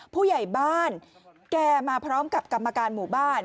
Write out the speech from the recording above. ผู้ใหญ่บ้านแกมาพร้อมกับกรรมการหมู่บ้าน